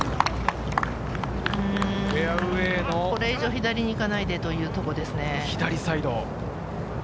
これ以上、左に行かないでというところですね。